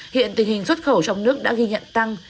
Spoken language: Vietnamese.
hiện tình hình xuất khẩu trong nước đã ghi nhận tăng